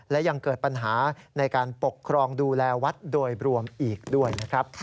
และยังเกิดปัญหาในการปกครองดูแลวัดโดยรวมอีกด้วยนะครับ